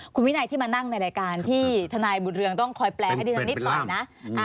คุณวินัยที่มานั่งในรายการที่ทนายบุญเรืองต้องคอยแปลให้ดิฉันนิดหน่อยนะ